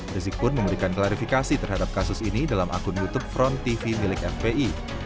rizik pun memberikan klarifikasi terhadap kasus ini dalam akun youtube front tv milik fpi